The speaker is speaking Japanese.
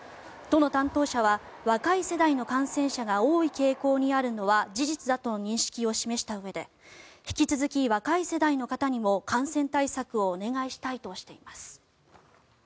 都の担当者は若い世代の感染者が多い傾向にあるのは事実だとの認識を示したうえで引き続き若い世代の方にも感染対策をお願いしたいとしています。